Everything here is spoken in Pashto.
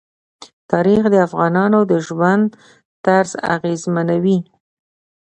تاریخ د افغانانو د ژوند طرز اغېزمنوي.